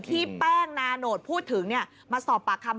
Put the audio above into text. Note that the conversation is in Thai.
ที่แป้งนาโนตพูดถึงมาสอบปากคำ